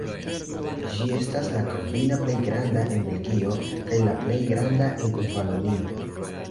Ĝi estas la kvina plej granda en Belgio kaj la plej granda en Valonio.